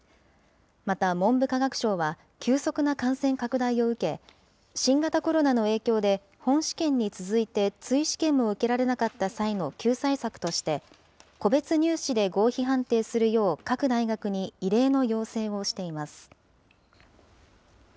また文部科学省は、急速な感染拡大を受け、新型コロナの影響で本試験に続いて追試験も受けられなかった際の救済策として、個別入試で合否判定するよう、各大学に異例の要請をしています。